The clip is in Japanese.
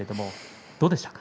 どうでしたか。